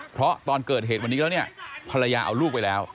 เพราะตอนเกิดเหตุวันนี้แล้วเนี่ยภรรยาเอาลูกไปแล้ว